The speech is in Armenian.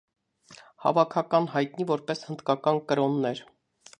Հավաքական հայտնի որպես հնդկական կրոններ։